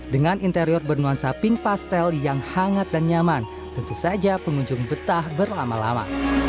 dengan interior bernuansa pink pastel yang hangat dan nyaman tentu saja pengunjung betah berlama lama